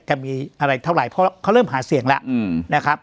จะมีอะไรเท่าไหร่เพราะเขาเริ่มหาเสียงแล้วนะครับ